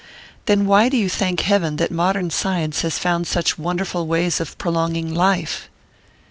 "Then why do you thank heaven that modern science has found such wonderful ways of prolonging life?"